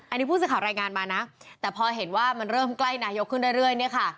อันนี้ผู้สื่อข่าวรายงานมานะแต่พอเห็นว่ามันเริ่มใกล้นายกขึ้นเรื่อยเนี่ยค่ะ